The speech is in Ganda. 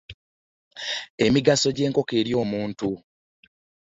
Emigaso gy'enkoko eri omuntu.